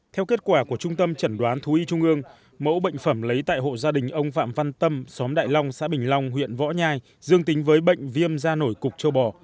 theo kết quả của trung tâm chẩn đoán thú y trung ương mẫu bệnh phẩm lấy tại hộ gia đình ông phạm văn tâm xóm đại long xã bình long huyện võ nhai dương tính với bệnh viêm da nổi cục châu bò